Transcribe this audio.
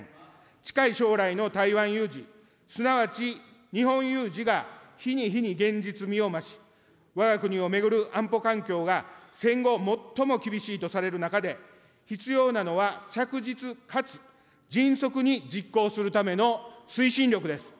近い将来の台湾有事、すなわち日本有事が日に日に現実味を増し、わが国を巡る安保環境が戦後最も厳しいとされる中で、必要なのは着実かつ迅速に実行するための推進力です。